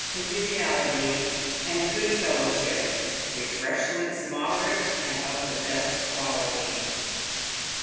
Conviviality !! and Good fellow ship !!!— Refreshments moderate, and of the best quality.